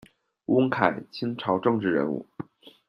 翁楷，清朝政治人物。